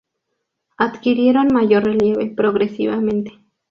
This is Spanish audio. Adquirieron mayor relieve progresivamente.